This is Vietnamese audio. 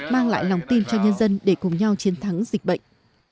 mang lại lòng tin cho nhân dân để cùng nhau chiến thắng dịch bệnh